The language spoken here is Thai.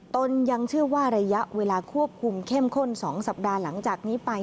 ยังเชื่อว่าระยะเวลาควบคุมเข้มข้น๒สัปดาห์หลังจากนี้ไป